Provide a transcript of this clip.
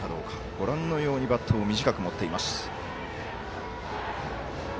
ご覧のようにバットを短く持っています。